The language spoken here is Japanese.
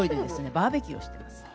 バーベキューをしてます。